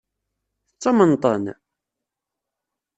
Tettamneḍ-ten?